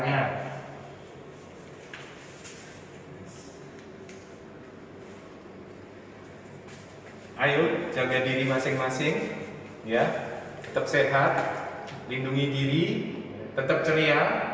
ayo jaga diri masing masing tetap sehat lindungi diri tetap ceria